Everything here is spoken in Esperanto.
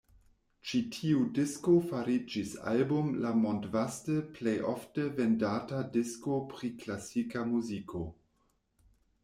Ĉi tiu disko fariĝis Album la mondvaste plejofte vendata disko pri klasika muziko.